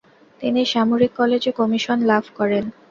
তিনি সামরিক কলেজে কমিশন লাভ করেন।